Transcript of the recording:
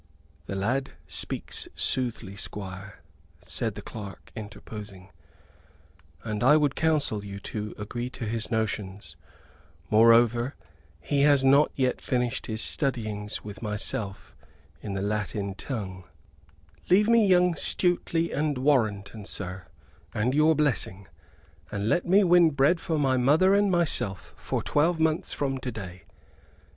"The lad speaks soothly, Squire," said the clerk, interposing, "and I would counsel you to agree to his notions. Moreover, he has not yet finished his studyings with myself in the Latin tongue." "Leave me young Stuteley and Warrenton, sir, and your blessing, and let me win bread for my mother and myself for twelve months from to day.